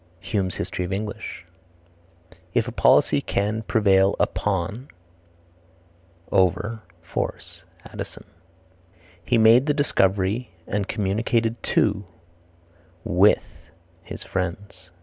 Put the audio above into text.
Hume's History of England. "If policy can prevail upon (over) force." Addison. "He made the discovery and communicated to (with) his friends."